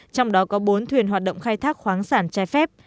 trong đó có bốn thuyền hoạt động khai thác khoáng sản trái phép